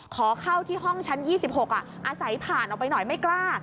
ขอเข้าที่ห้องชั้น๒๖อาศัยผ่านออกไปหน่อยไม่กล้า